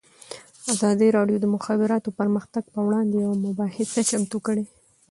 ازادي راډیو د د مخابراتو پرمختګ پر وړاندې یوه مباحثه چمتو کړې.